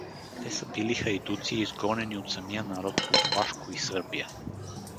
Те са били хайдуци, изгонени от самия народ по Влашко и Сърбия.